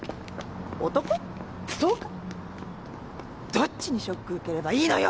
どっちにショック受ければいいのよ！